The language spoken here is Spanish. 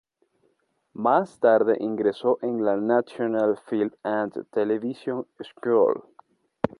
Más tarde ingresó en la National Film and Television School.